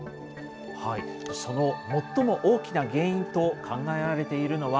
その最も大きな原因と考えられているのは、